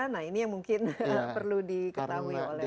nah ini yang mungkin perlu diketahui oleh orang tua